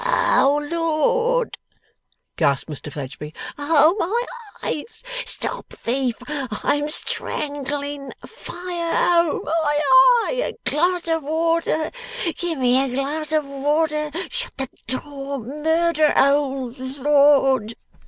'Oh Lord!' gasped Mr Fledgeby. 'Oh my eye! Stop thief! I am strangling. Fire! Oh my eye! A glass of water. Give me a glass of water. Shut the door. Murder! Oh Lord!